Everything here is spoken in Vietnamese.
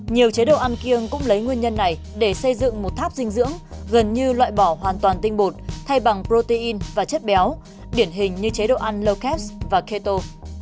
nhiều chế độ ăn kiêng cũng lấy nguyên nhân này để xây dựng một tháp dinh dưỡng gần như loại bỏ hoàn toàn tinh bột thay bằng protein và chất béo điển hình như chế độ ăn lokhabs và keto